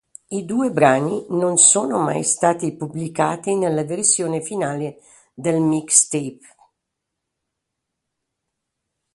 I due brani non sono mai stati pubblicati nella versione finale del mixtape.